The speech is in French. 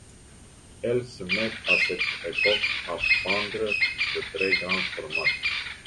Elle se met à cette époque à peindre de très grands formats.